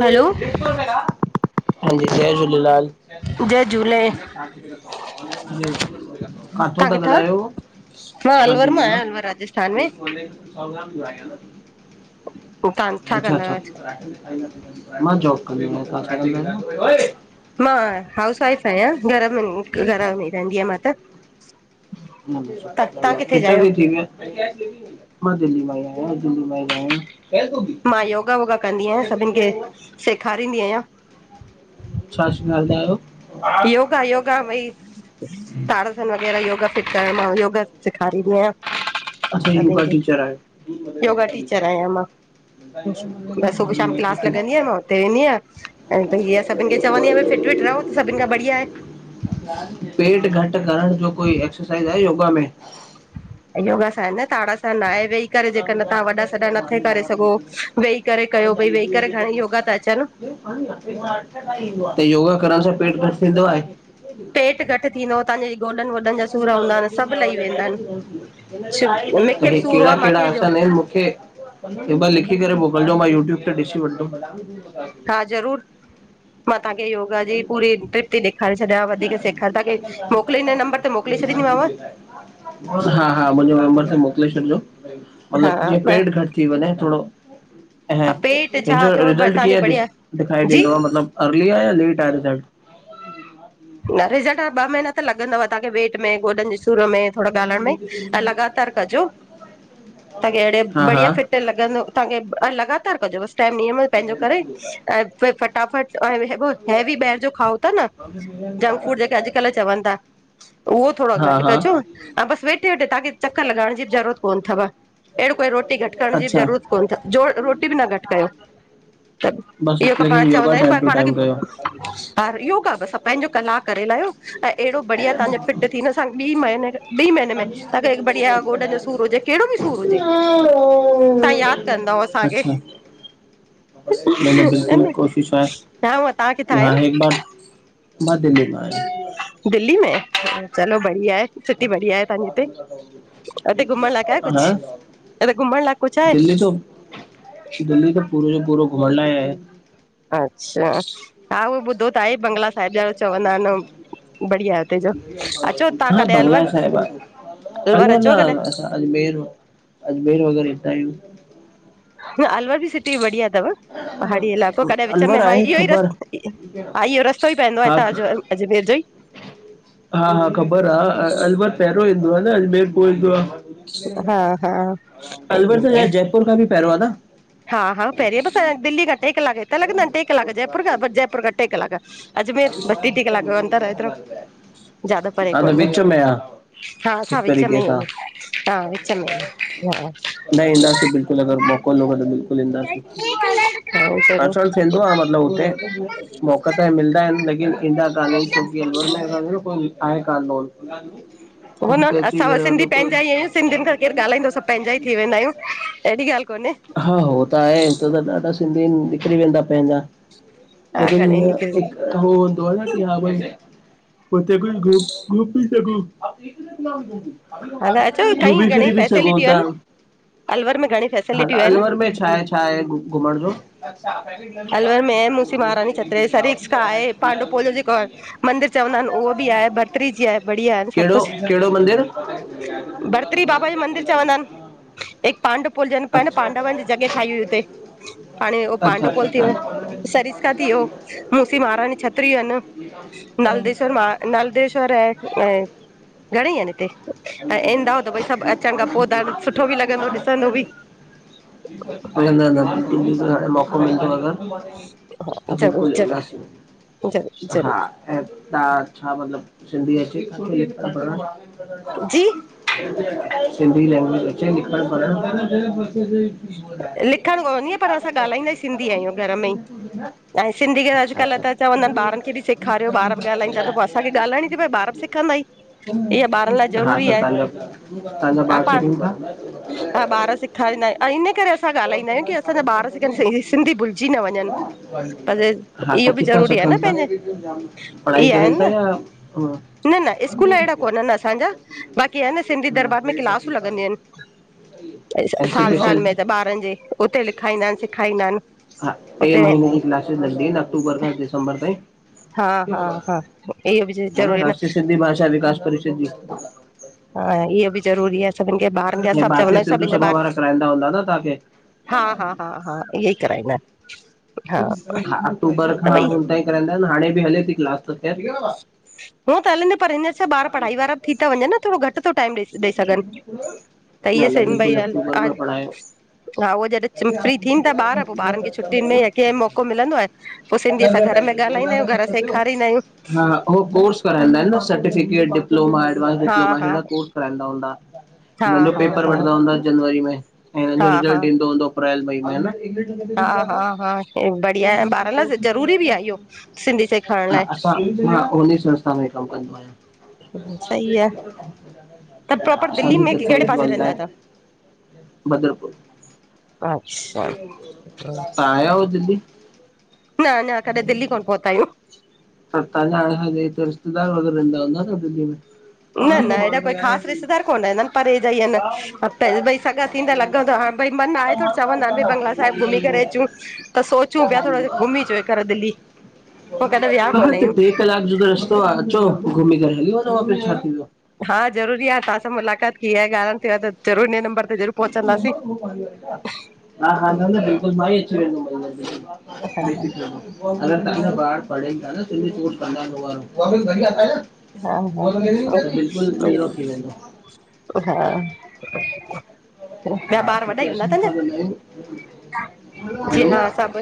Hello, जय झूलेलाल। जय झूले, कथों तव्हां था किथां? ॻाल्हायो? मां हा अलवर दिल मां आहियां, अलवर राजस्थान करे में। कोने? सावलानी भी आहे न। तव्हां छा अच्छा कंदा -अच्छा। आहियो? मां जॉब कंदीम, तव्हां छा कंदी आहियो? मां हाउस वाइफ आहियां घर में घर मेंञी रहंदी आहियां मां त। त तव्हां किथे जा हिते आहियो? बि ठीक आहे। मां दिल्ली मां ई आयां दिल्ली मां ई आयां। हल तूंभी। मां योगा वयोगा कंदी आहियां सभिनि खे सेखारींदी आहियां। छा सेखारींदा आहियो? योगा -योगा भई। ताड़सन वग़ैरह योगा फिट। मां योगा सेखारींदी आहियां। अच्छा योगा सभिनि खे टीचर आहियो। योगा टीचर आहियां मां। बस सुभाशाम क्लास लॻंदी आहे मां हुते वेंदी आयां ऐं भई इहा सभिनि खे चवंदीय भई फिट विट रहो। सभनि खां बढ़िया पेट घट करण जो कोई एक्सरसाइज़ आहे योगा में? योगा सां आहिनि न ताडासन आहे वेई करे जेकॾहिं तव्हां वॾा सॾा नथे करे सघो वेही करे कयो भाई वेही करे घणी योगा त अचनि। त योगा करण सां पेट घटि थींदो आहे? पेट घटि थींदो तव्हांजे गोडन हे आहिनि मूंखे बि सूर हुआ कहिड़ा- कहिड़ा मूंखे जो आसन आहिन? मूंखे लिखी करे मोकिलिजो मां यूट्यूब ते ॾिसी वठितंदमि? हा ज़रूर। मां तव्हांखे योगा जी पूरी ट्रिप थी ॾेखे छॾियां वध सेार तव्हांखे मोकिले हिन नंबर ते मोकिले छॾींदीमांव। हा- हा मुंहिंजे नंबर ते मोकिले छॾिजो मतिलबु जीअं हा पेट घट थी वञे थोरो पेट छा हिनजो थोरो रिजल्ट तव्हांजो कीअं बढ़िया दिखाई जी दींदो आहे अर्ली आहे या लेट आहे रिजल्ट? न रिजलट ॿ महीना त लॻंदव तव्हांखे वेट में गोॾनि जे सूर में। थोरो ॻाल्हायो में त लगातार कहजो। हा हा बढ़िया फट त लॻंदो तव्हांखे आ लॻातार कजो। त नियम पंहिंजो करे फटाफट हैवी ॿाहिरि जो खाओ था न जंक फूड जेके अॼुकल्ह चवनि था उहो थोरो हा घटि हा कजो हा बस वेठे- वेठे तांखे चक्कर लॻाइण ज़रूरत कोन अथव अहिड़ो कोई रोटी घटि करण जी बि अच्छा ज़रूरत कोन अथव् जो रोटी बि न घटि कयो। त बसि इहो त लेकिन पाण योगा चवंदा आहियूं टाइम पर टू पाण खे टाइम कयो ह योगा बसि पंहिंजो कलाक करे लाहियो ऐं अहिड़ो बढ़िया तव्हांजो शरीर फिट थींदो बि महीने खां। ॿीं महीने में तव्हांखे हिकु बढ़िया गोॾनि जो सूर हुजे कहिड़ो बि सूर हुजे तव्हां यादि कंदव। [inaudible] अच्छा न- न बिल्कुलु कोशिश आहे हा मां तव्हां की किथां हाडे आहियो हिकु बार मां दिल्ली मां आहियां दिल्ली में चलो बढ़िया आहे। सिटी बढ़िया आहे। तव्हांजे हिते घुमण लाइक आहे कुझ? हा अ इते घुमर लाूंए कुछ आहे? दिल्ली तो दिल्ली त पूरो जो पूरो घुमंण लाए आहे। अच्छा हा उहो ॿुधो त आहे बंगला साहिब जा चवंदा आहिनि बढ़िया आहे हुते जो अचो तव्हां हा कॾहिं बंगला अलवर साहिब आहे। अलवर हलो न अचो कॾहिं असां अजमेर अजमेर वग़ैरह हित आहियूं हुंअ अलवर बि सिटी बढ़िया तव पहाड़ी इलाक़ो कॾहिं विच में अलवर हा आहे इह्यो ई ख़बर रस्त हा इह्यो रस्तो ई पएंदो आ हा हितां अज अजमेर जो ई। हा हा ख़बर आ अलवर पहिरियों ईंदो आ न अजमेर पो ईंदो आ। हा हा। अलवर त ईंदो आहे शायद जयपुर खां बि पहिरों आ न? हा हा पहिरी बसं दिल्ली क टे कलॉक हितां लगंदा इनि, टे कलॉक जयपुर खां बस जयपुर खा टे कलाकअजमेर बस टी - टी कलाक जो अन्तर आ हेतिरो। हा त विच मे आ? हा असां विच में ई आहियुं हा विच में आहियु हा। बिल्कुल अगर मौको लॻो त बिल्कुल ईंदासीं। हा ज़रूर अचण थींदो आ मतिलबु हुते मौक़ा त मिलदा इनि लेकीन ईंदा कान्ह आहियुं छोकी अल्वर में असांजो न कोई आहे कान्ह नोन हो न असां सिंधी पंहिंजा ई आहियूं, सिंधियुनि खां केरु ॻाल्हाईंदो असां पंहिंजा ई थी वेंदा आहियूं अहिड़ी ॻाल्हि कोन्हे। हा, हो त आहे हिते त ॾाढा सिंधी इनि निकिरी वेंदा पंहिंजा हा लेकिन घणेई हीअं निकिरनि हिकु त हो हूंदो आ न की हा भई उते कुछु घुम घुमि बि सघूं। हा त अचो कई घूमी फिरी घणेई बि सघो फैसिलिटियूं ता। आहिनि अलवर में घणी फैसिलिटियूं आहिनि अलवर में छा हे छाहे घुमण जो? अच्छा पैकेट ल बि प द अलवर में आहे मुसी चीु महारानी इणदिब्ल [unintelligible] मंदिर चवंदा इनि उहो बि आहे, भत्री जी आहे, बढ़िया आहिनि सभु कहिड़ो कुछु। कहिड़ो मंदिरु? भरत्री बाबा जो मंदिर चवंदा इनि, हिकु पांडवपुलजनि पंज पांडवनि जी जॻह ठाही हुई हुते। ह इणदीब्ल [inaudible] हाणे उहो पांडवपुल थी यो, सरिसका थी यो, मुसी महारानी छत्रिय आनि। नालदेश्वर मां नालदेश्वर आए ऐं घणेई आहिनि हिते। ऐं ईंदव त भई सभु अचण खां पो त सुठो बि लॻंदो ॾिसंदो बि। न न नइनदीब्ल [unintelligible] मोको हा मिलदो हा अगरि त ज़रूरु बिल्कुलु ज़रूरु ईंदासीं ज़रूरु हा। ज़रूरु ऐं तहां छा मतलबु सिंधी अचे नथी जी पढ़ण? सिंधी लैंग्वेज अचे लिखण पढ़ण लिखण कोन इंदी आ पर असां ॻाल्हाईंदाई सि सिंधी आहियूं घर में ई ऐं सिंधी अच्छा अॼुकल्ह अच्छा त चवंदा हिनि ॿारन खे बि सेखारियो ॿार बि ॻाल्हाईनि ता त पो असांखे ॻाल्हाइणी ती पए ॿार बि सिखंदा ई इह्या ॿारनि लाए हा त ज़रूरी आहे तव्हांजा तव्हांजा हा ॿार पांण सिखनि था हा ॿार सेखारींदा ई ऐं इन्ह करे असां ॻाल्हाईंदा आहियूं की असांजा ॿार सिखनि सि सिंधी भुलिजी न वंञंनि पर हा इह्यो त बि किथां ज़रूरी आहे न सिखनि था पंहिंजे पढ़ाई इहे करेनि ता आहिनि या हो? न न स्कूल अहिड़ा कोन्हनि असांजा बाक़ी आहे न सिंधी दरबार में क्लासूं लॻंदियु आइनि। [inaudible] में त ॿारनि जे उते लिखाईंदा इनि सिखाइदा इनि। हा ट्रे महीने ज्यूं क्लासिस लॻदी हिनि अक्टूबर खां दिसंबर ताईं। हा हा हा इहो बि है न, ज़रूरी आहे राष्ट्रीय सिंधी भाषा विकास करे छंदी। हा इहे बि ज़रूरी आ, सभिन खे ॿारन खे हे असां बि भारतीय चवंदायूं सिंधू सभिन जा सभा ॿार वारा कराईंदा हूंदा न तव्हांखे हा हा हा हा, इहेई कराईंदा इन। हा, अक्टूबर खां हुन ताईं कराईंदा इन, हाणे बि हले पी क्लास त हूअं त हले न, पर हींअर छा ॿार पढ़ाई वारा बि थी ता वञन न थोड़ो घट घट थो, टाइम ॾई ॾेई सघन, त इहे न न सेमभई बिल्कुलु अक्टूबर हा, में पढ़ायो उहो जॾहिं फ्री थीन था ॿार, पो ॿारन खे छुटियुनि में या कैं मौको मिलंदो आहे। पो सिंधी असां घर में ॻाल्हाईंदायूं, घरां सेखारींदायूं। हा उहो कोर्स कराईंदा इन न, सर्टिफ़िकेटि डिप्लोमा एडवांस हा डिप्लोमा हा हेॾा कोर्स कंदा हूंदा, हा हिनन जो हा पेपर हा वठदा हुदां जनवरी मे, ऐं हिनन हा जो रिज़ल्ट ईंदो हुंदो। अप्रैल, मई में हा न? हा हा हा हा बढ़िया आहे ॿारनि लाइ ज़रूरी बि आहे इहो सिंधी सेखारण हां लाइ असां मां, उनी संस्था में कम कंदो आहियां। सही आहे त हां, प्रॉपर दिल्ली असांजे में हिते, कहिड़े फ्लैट पासे मिलंदा रहंदा इन आहियो बद्रपुर। तव्हां अच्छा तां आया हो दिल्ली? न अञा, कॾहिं दिल्ली कोन पहुंता आंयूं। पर तहांजा, हिते रिश्तेदार वगैरा रहन्दा हुन्दा न दिल्ली मे? न न, एॾा कोई ख़ास रिश्तेदार कोनरहंदान, परे जा ई अन् उते भई सॻा थीं, त लॻंदोआ हां भई मन आहे थोड़ चवंदाएन भई बंगला साहिब घुमीं करे अचूं, त सोच सोचूं प्या थोड़ो घुमींचौं हेकर दिल्ली। पोइ कॾहिं विया हा कोन त, आहियूं ट्रे कलाक जो त रस्तो आ, अचो घुमीं करे हली वनों वापिस, छा थी वियो। हा ज़रूरी आ, तहां सां मुलाकात थी आहे, ॻाल्हाइण थियो आहे त ज़रूर नये नंबंर ते ज़रूर पहुचंदासीं [inaudible] हा हा, न न, बिल्कुल मां ई अची वेंदुम, अगर तहांजा ॿार पढ़ई प्या न, केके कोर्स कंदा इन हो वारो। हा हा बिल्कुल, मिलणो थी वेंदो हा ॿिया हा, ॿार वॾा छोकी ई हूंदा असां नथा तव्हांजा ॻाल्हायूं, जी हलो! [inaudible] हा सभु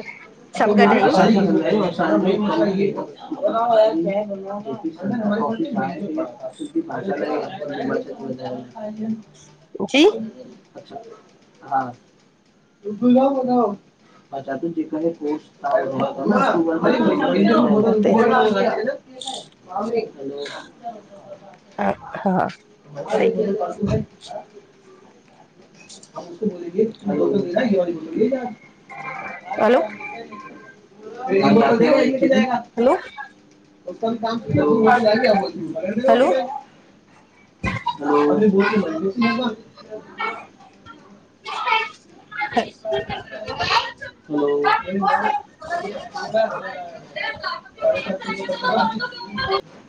सभु गॾु आहियूं [inaudible] जी अच्छा, हा [unintelligible] हा हलो! [unintelligible] [inaudible] [unintelligible] हलो [unintelligible] हलो! हलो [unintelligible] हलो! [unintelligible] हलो! साढ सात रुप प [unintelligible]